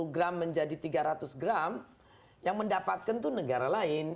satu gram menjadi tiga ratus gram yang mendapatkan itu negara lain